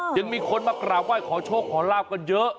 ยังมีคนมากราบไหว้ขอโชคขอลาบกันเยอะ